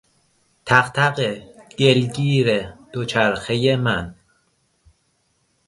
تق تق گلگیر دوچرخهی من